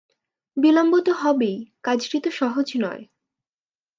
বিলম্ব তো হবেই, কাজটি তো সহজ নয়।